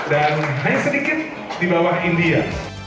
dan hanya sedikit di bawah india